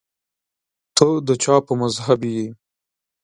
ته د چا په مذهب یې